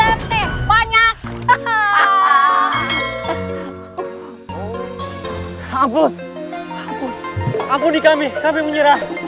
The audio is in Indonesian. ampun di kami kami menyerah